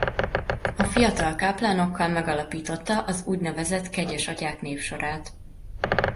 A fiatal káplánokkal megalapította az úgynevezett kegyes atyák névsorát.